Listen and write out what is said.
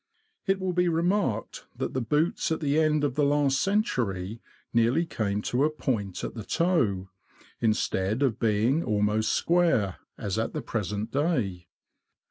It will be remarked that the boots, at the end of the last century, nearly came to a point at the toe, instead of being almost square, as at the present day.